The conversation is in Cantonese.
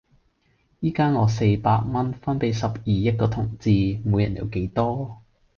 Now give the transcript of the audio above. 依家我四百蚊分俾十二億個同志，每人有幾多?